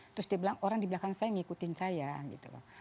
terus dia bilang orang di belakang saya ngikutin saya gitu loh